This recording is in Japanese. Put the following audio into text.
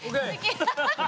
ハハハハ！